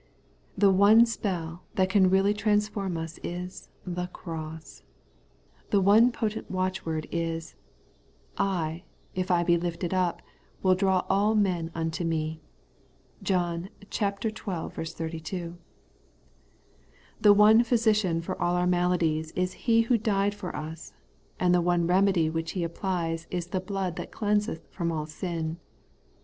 The one spell that can reaUy transform us is the CROSS. The one potent watchword is, * I, if I be lifted up, will draw all men unto me' (John xii. 32). The one physician for all our maladies is He who died for us, and the one remedy which He applies is the blood that cleanseth from all sin.